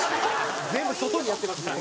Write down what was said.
全部外にやってますね。